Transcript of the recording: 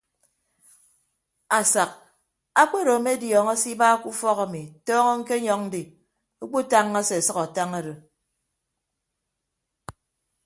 Asak akpedo ame adiọñọ se iba ke ufọk ami tọñọ ñkenyọñ ndi ukpu tañña se asʌk atañ odo.